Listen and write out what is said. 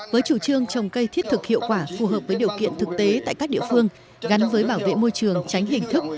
với chủ trương trồng cây thiết thực hiệu quả phù hợp với điều kiện thực tế tại các địa phương gắn với bảo vệ môi trường tránh hình thức